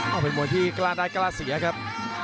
เอาเป็นมวยที่กล้าได้กล้าเสียครับ